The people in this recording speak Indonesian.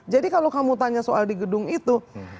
jadi kalau kamu tanya soal di gedung itu